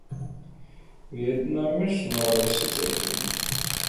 ვიეტნამის უმაღლესი წერტილი.